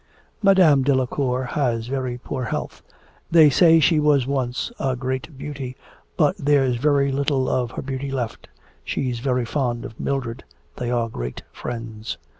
'Madame Delacour has very poor health, they say she was once a great beauty, but there's very little of her beauty left. ... She's very fond of Mildred. They are great friends.'